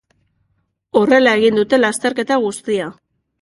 Horrela egin dute lasterketa guztia.